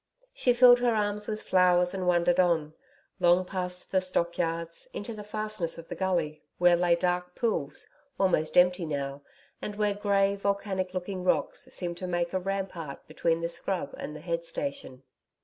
She filled her arms with flowers and wandered on, long past the stockyards, into the fastnesses of the gully, where lay dark pools almost empty now and where grey, volcanic looking rocks seemed to make a rampart between the scrub and the head station.